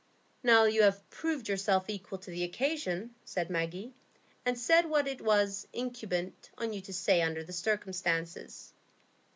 "Now you have proved yourself equal to the occasion," said Maggie, "and said what it was incumbent on you to say under the circumstances."